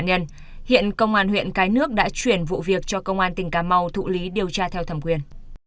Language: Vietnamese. trong đó một người là dượng của nạn nhân hiện công an huyện cái nước đã chuyển vụ việc cho công an tỉnh cà mau thụ lý điều tra theo thẩm quyền